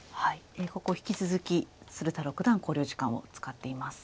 ここ引き続き鶴田六段考慮時間を使っています。